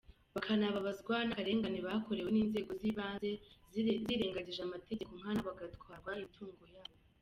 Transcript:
Bakanababazwa n’akarengane bakorewe n’inzego zibanze zirengagije amategeko nkana bagatwarwa imitungo yabo.